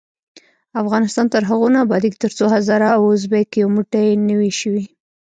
افغانستان تر هغو نه ابادیږي، ترڅو هزاره او ازبک یو موټی نه وي شوي.